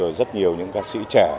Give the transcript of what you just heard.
rồi rất nhiều những ca sĩ trẻ